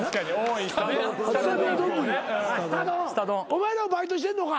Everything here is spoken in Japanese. お前らもバイトしてんのか？